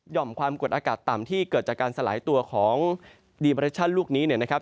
่อมความกดอากาศต่ำที่เกิดจากการสลายตัวของดีเรชั่นลูกนี้เนี่ยนะครับ